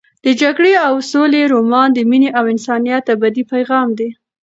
د جګړې او سولې رومان د مینې او انسانیت ابدي پیغام دی.